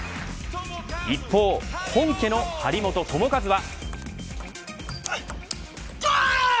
一方、本家の張本智和は。